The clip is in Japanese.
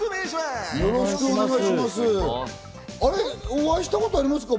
お会いしたことありますか？